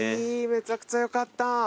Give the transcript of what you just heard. めちゃくちゃよかった。